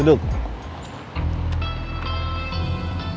untuk membuatnya pace